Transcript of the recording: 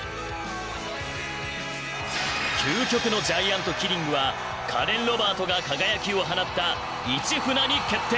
究極のジャイアントキリングはカレンロバートが輝きを放った市船に決定。